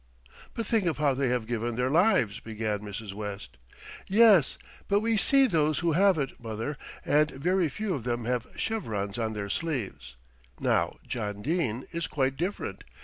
"But think of how they have given their lives," began Mrs. West. "Yes; but we see those who haven't, mother, and very few of them have chevrons on their sleeves. Now John Dene is quite different.